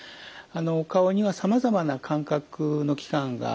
お顔にはさまざまな感覚の器官があります。